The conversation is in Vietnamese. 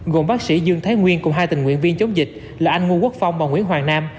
gồm bác sĩ dương thái nguyên cùng hai tình nguyện viên chống dịch là anh ngô quốc phong và nguyễn hoàng nam